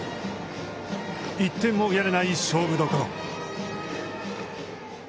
１点もやれない勝負どころ。